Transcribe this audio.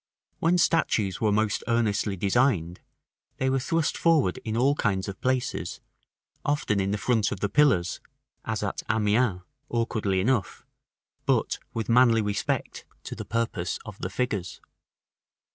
When statues were most earnestly designed, they were thrust forward in all kinds of places, often in front of the pillars, as at Amiens, awkwardly enough, but with manly respect to the purpose of the figures.